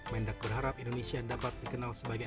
mendak berharap indonesia dapat dikenal sebagai